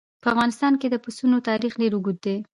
په افغانستان کې د پسونو تاریخ ډېر اوږد دی.